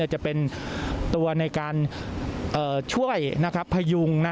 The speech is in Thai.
จะเป็นตัวในการช่วยพยุง